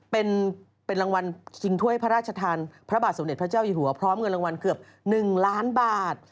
เป็นรางวัลชิงถ้วยพระราชทานพระบาทสมเด็จพระเจ้าอยู่หัวพร้อมเงินรางวัลเกือบ๑ล้านบาท